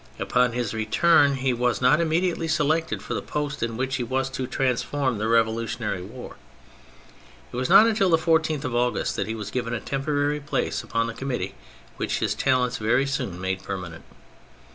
Upon his return he was not immediately selected for the post in which he was to transform the revolutionary war. It was not until the 14th of August that he was given a temporary place upon the Com mittee which his talents very soon made permanent.